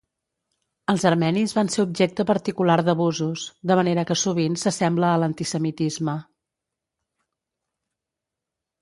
Els armenis van ser objecte particular d'abusos, de manera que sovint s'assembla a l'antisemitisme.